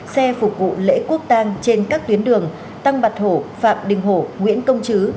xe phục vụ lễ quốc tăng trên các tuyến đường tăng bạch hổ phạm đình hổ nguyễn công chứ